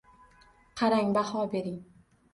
Qarang, baho bering